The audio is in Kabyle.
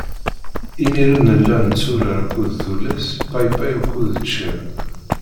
Imir-n nella netturar akked tullas paypay akked ččir.